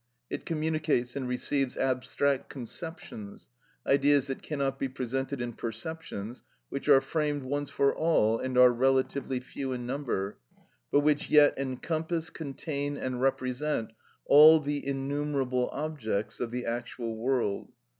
It communicates and receives abstract conceptions, ideas that cannot be presented in perceptions, which are framed once for all, and are relatively few in number, but which yet encompass, contain, and represent all the innumerable objects of the actual world.